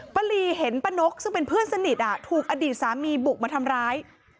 ป้าลีเห็นป้านกซึ่งเป็นเพื่อนสนิทถูกอดีตสามีบุกมาทำร้าย